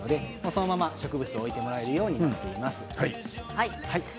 そのまま植物を入れてもらえるようになっています。